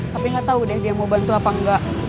tapi gak tau deh dia mau bantu apa enggak